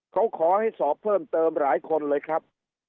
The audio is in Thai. เขาขอให้สอบเพิ่มเติมหลายคนเลยครับ